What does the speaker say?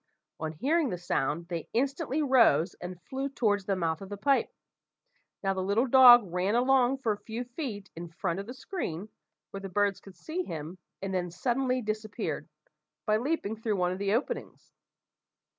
On hearing the sound, they instantly rose and flew towards the mouth of the pipe. Now the little dog ran along for a few feet in front of the screen, where the birds could see him, and then suddenly disappeared, by leaping through one of the openings.